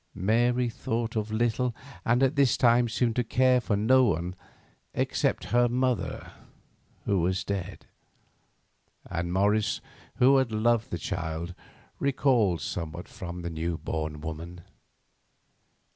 Mary thought of little, and at this time seemed to care for no one except her mother, who was dead. And Morris, who had loved the child, recoiled somewhat from the new born woman.